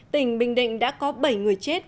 tỉnh bình định đã có bảy người chết